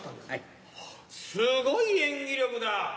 すごい演技力だ。